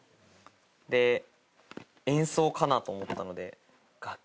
で演奏かなと思ったので。